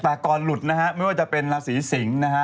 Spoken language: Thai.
แต่ก่อนหลุดนะฮะไม่ว่าจะเป็นราศีสิงศ์นะฮะ